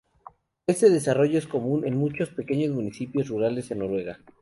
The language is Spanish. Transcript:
Este desarrollo es común en muchos pequeños municipios rurales en Noruega.